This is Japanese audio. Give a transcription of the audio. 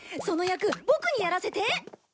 その役ボクにやらせて！